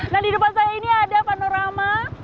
nah di depan saya ini ada panorama